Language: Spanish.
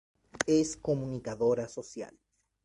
Es comunicadora social.